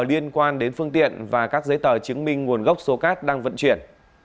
liên quan đến phương tiện và các giấy tờ chứng minh nguồn gốc số cát đang vận chuyển